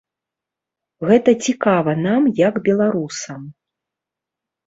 Гэта цікава нам як беларусам.